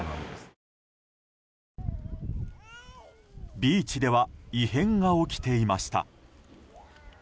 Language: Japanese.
ビーチでは異変が起きていました。